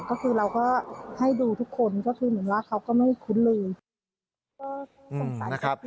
ก็คือเราก็ให้ดูทุกคนก็คือเหมือนว่าเขาก็ไม่คุ้นเลย